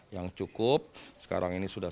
yang cukup sekarang ini sudah